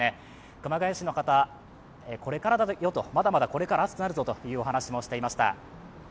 熊谷市の方、これからだよと、まだまだこれから暑くなるぞというお話もしていました。